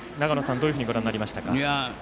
どういうふうにご覧になりましたか。